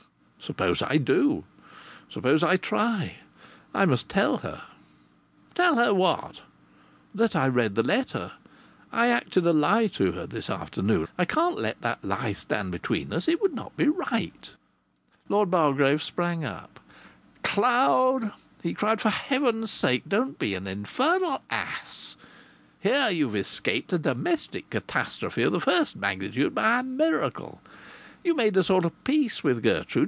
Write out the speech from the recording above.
"Suppose I do? Suppose I try? I must tell her!" "Tell her what?" "That I read the letter. I acted a lie to her this afternoon. I can't let that lie stand between us. It would not be right." Lord Bargrave sprang up. "Cloud," he cried. "For heaven's sake, don't be an infernal ass. Here you've escaped a domestic catastrophe of the first magnitude by a miracle. You've made a sort of peace with Gertrude.